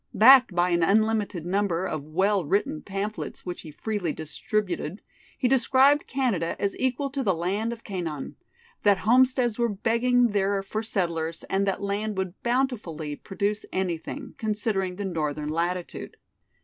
Backed by an unlimited number of well written pamphlets which he freely distributed, he described Canada as equal to the land of Canaan; that homesteads were begging there for settlers and that land would bountifully produce anything, considering the northern latitude.